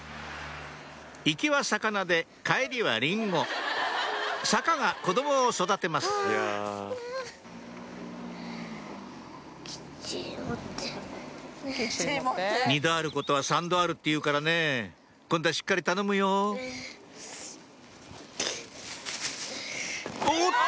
行きは魚で帰りはリンゴ坂が子供を育てます「二度あることは三度ある」っていうからね今度はしっかり頼むよおっとっと！